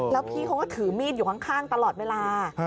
แล้วพี่เขาก็ถือมีดอยู่ข้างตลอดเวลา